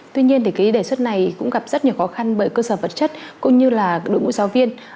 tuy nhiên đề xuất này cũng gặp rất nhiều khó khăn bởi cơ sở vật chất cũng như đội ngũ giáo viên